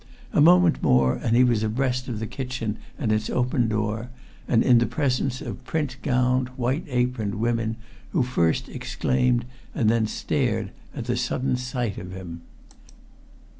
A moment more and he was abreast of the kitchen and its open door, and in the presence of print gowned, white aproned women who first exclaimed and then stared at the sudden sight of him.